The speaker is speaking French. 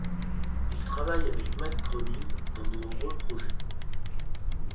Il travaille avec Matt Groening dans de nombreux projets.